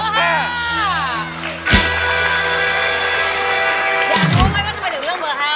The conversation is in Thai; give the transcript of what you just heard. อยากรู้ไหมว่าจะไปถึงเรื่องเบอร์๕